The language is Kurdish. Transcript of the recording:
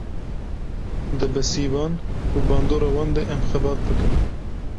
Di bi sîvan û bandora wan de em xebat bikin